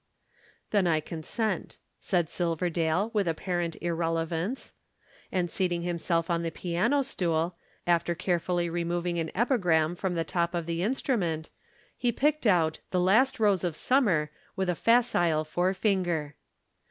"Then I consent," said Silverdale with apparent irrelevance. And seating himself on the piano stool, after carefully removing an epigram from the top of the instrument, he picked out "The Last Rose of Summer" with a facile forefinger.